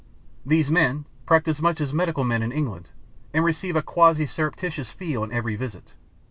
These men practise much as medical men in England, and receive a quasi surreptitious fee on every visit.